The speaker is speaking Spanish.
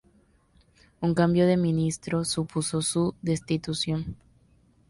Un cambio de ministro supuso su destitución.